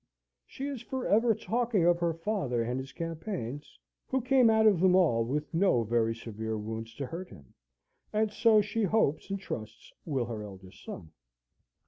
She is for ever talking of her father and his campaigns, who came out of them all with no very severe wounds to hurt him; and so she hopes and trusts will her eldest son.